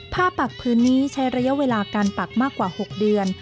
ปักพื้นนี้ใช้ระยะเวลาการปักมากกว่า๖เดือน